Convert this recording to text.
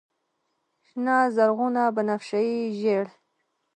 شنه، زرغونه، بنفشیې، ژړ